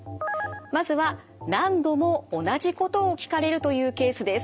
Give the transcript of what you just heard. まずは何度も同じことを聞かれるというケースです。